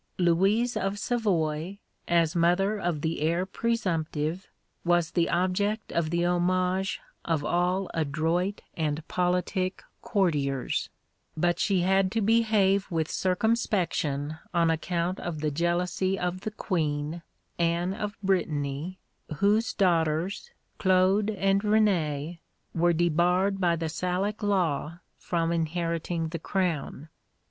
Louise of Savoy, as mother of the heir presumptive, was the object of the homage of all adroit and politic courtiers, but she had to behave with circumspection on account of the jealousy of the Queen, Anne of Brittany, whose daughters, Claude and Renée, were debarred by the Salic Law from inheriting the crown.